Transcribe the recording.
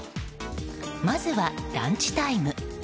まずは、ランチタイム。